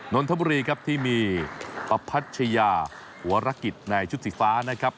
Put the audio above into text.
นนทบุรีครับที่มีประพัชยาหัวรกิจในชุดสีฟ้านะครับ